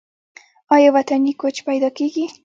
آیا وطني کوچ پیدا کیږي؟